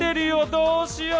どうしよう！